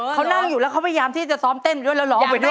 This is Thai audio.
เขานั่งอยู่แล้วเขาพยายามที่จะซ้อมเต้นด้วยแล้วร้องไปด้วย